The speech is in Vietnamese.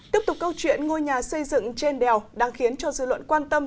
tiếp tục câu chuyện ngôi nhà xây dựng trên đèo đang khiến cho dư luận quan tâm